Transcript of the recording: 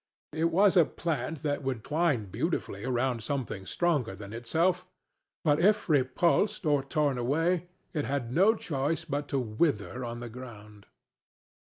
It was a plant that would twine beautifully round something stronger than itself; but if repulsed or torn away, it had no choice but to wither on the ground.